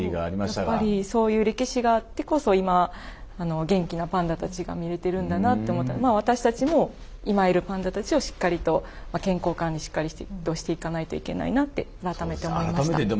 やっぱりそういう歴史があってこそ今元気なパンダたちが見れてるんだなって思ったら私たちも今いるパンダたちをしっかりと健康管理しっかりとしていかないといけないなって改めて思いました。